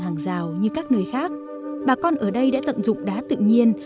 hàng rào như các nơi khác bà con ở đây đã tận dụng đá tự nhiên